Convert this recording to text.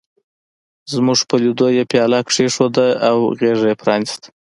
زموږ په لیدو یې پياله کېښوده او غېږه یې پرانستله.